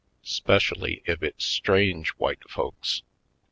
'Specially if it's strange white folks.